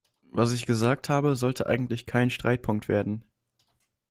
Was ich gesagt habe, sollte eigentlich kein Streitpunkt werden.